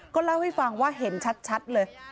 ก็เล่าให้ฟังว่าเห็นชัดเลย